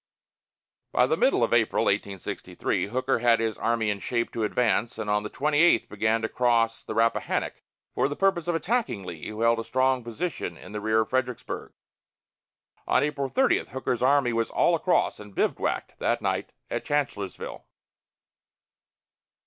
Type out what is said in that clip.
By the middle of April, 1863, Hooker had his army in shape to advance, and on the 28th began to cross the Rappahannock for the purpose of attacking Lee, who held a strong position in the rear of Fredericksburg. On April 30 Hooker's army was all across and bivouacked that night at Chancellorsville.